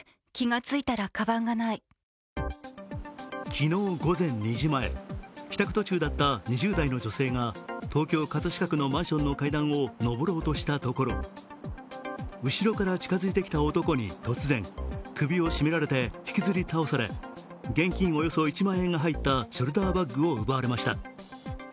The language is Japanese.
昨日午前２時前、帰宅途中だった２０代の女性が東京・葛飾区のマンションの階段を上ろうとしたところ後ろから近づいてきた男に突然、首を絞められて引きずり倒され、現金およそ１万円が入ったショルダーバッグを奪われました。